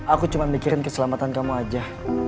aku cuma mikirin keselamatan kamu aja